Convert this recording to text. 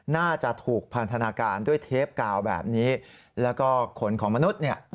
น่าจะถูกพันธนาการด้วยเทปกาวแบบนี้แล้วก็ขนของมนุษย์เนี่ย